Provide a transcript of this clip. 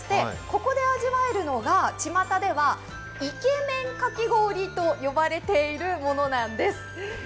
ここで味わえるのがちまたではイケメンかき氷と呼ばれているものなんです。